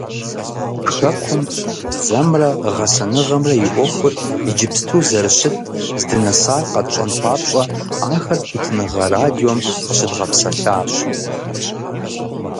Хэкум бзэмрэ гъэсэныгъэмрэ и Ӏуэхур иджыпсту зэрыщыт, здынэсар къэтщӀэн папщӏэ ахэр Хуитыныгъэ радиом къыщыдгъэпсэлъащ.